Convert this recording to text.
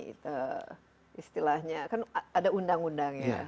itu istilahnya kan ada undang undang ya